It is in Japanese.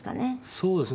そうですね。